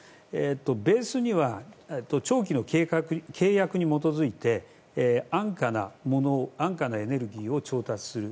ベースには長期の契約に基づいて安価なもの、安価なエネルギーを調達する